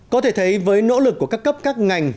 có thể thấy với nỗ lực của các cấp các ngành